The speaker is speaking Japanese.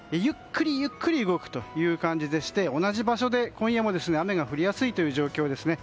ゆっくり動くという感じでして同じ場所で今夜も雨が降りやすいという状況ですね。